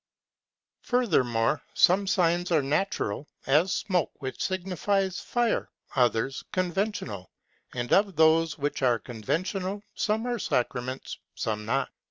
''Furthermore, some signs are natural, as smoke which signifies fire ; others conventional f' ^ and of those which are conventional, some are sacraments, some not.